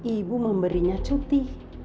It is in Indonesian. ibu memberinya cuti